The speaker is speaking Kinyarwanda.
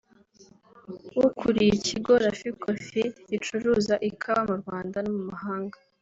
ukuriye ikigo ‘Raphi Coffee’ gicuruza ikawa mu Rwanda no mu mahanga